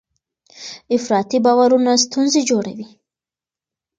افراطي باورونه ستونزې جوړوي.